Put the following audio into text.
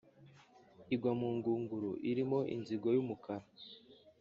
igwa mu ngunguru irimo inzigo y'umukara